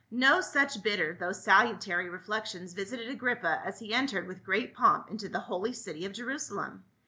No such bitter thou h salutary reflections visited Agrippa as he en tered\vith great pomp into the holy city of Jerusalem.